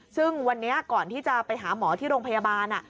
ซึ่งวันนี้ก่อนที่จะไปหาหมอที่โรงพยาบาล